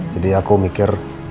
jadi aku mikir